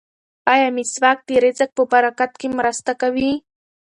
ایا مسواک د رزق په برکت کې مرسته کوي؟